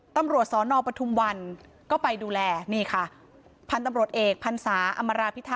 ตำรวจสอนอปทุมวันก็ไปดูแลนี่ค่ะพันธุ์ตำรวจเอกพันศาอำมาราพิทักษ